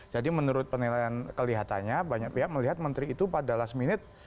menurut penilaian kelihatannya banyak pihak melihat menteri itu pada last minute